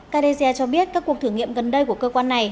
canada cho biết các cuộc thử nghiệm gần đây của cơ quan này